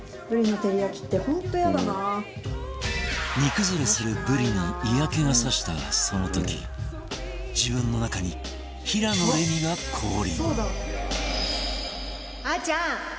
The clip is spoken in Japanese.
煮崩れするブリに嫌気が差したその時自分の中に平野レミが降臨